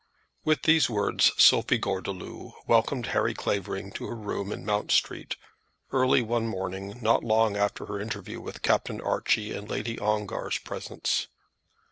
With these words Sophie Gordeloup welcomed Harry Clavering to her room in Mount Street early one morning not long after her interview with Captain Archie in Lady Ongar's presence.